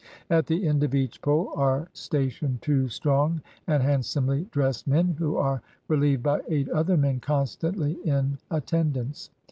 At the end of each pole are stationed two strong and handsomely dressed men, who are relieved by eight other men constantly in attendance.